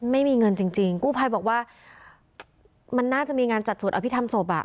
ไม่มีเงินจริงจริงกู้ภัยบอกว่ามันน่าจะมีงานจัดสวดอภิษฐรรศพอ่ะ